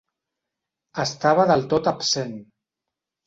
Estava del tot absent.